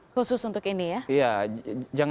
khusus untuk ini ya